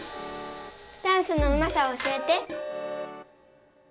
ダンスのうまさを教えて。